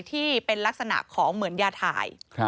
ที่เป็นลักษณะของเหมือนยาถ่าย